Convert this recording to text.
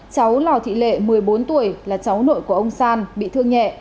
cháu lò thị lệ một mươi bốn tuổi là cháu nội của ông san bị thương nhẹ